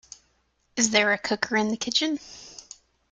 Is there a cooker in the kitchen?